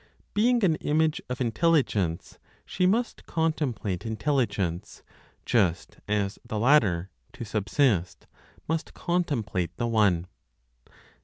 Being an image of Intelligence, she must contemplate Intelligence, just as the latter, to subsist, must contemplate the One.